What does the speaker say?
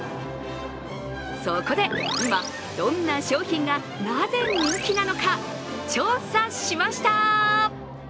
そこで今、どんな商品がなぜ人気なのか、調査しました。